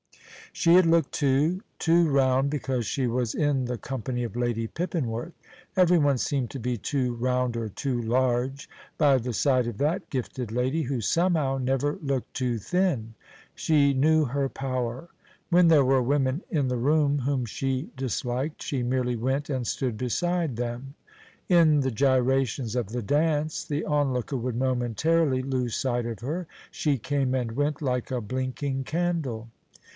She had looked too, too round because she was in the company of Lady Pippinworth. Everyone seemed to be too round or too large by the side of that gifted lady, who somehow never looked too thin. She knew her power. When there were women in the room whom she disliked she merely went and stood beside them. In the gyrations of the dance the onlooker would momentarily lose sight of her; she came and went like a blinking candle.